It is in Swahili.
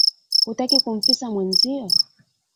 Hutaki kumfisa mwezio?